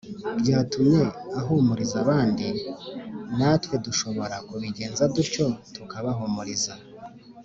byatumye ahumuriza abandi Natwe dushobora kubigenza dutyo tukabahumiriza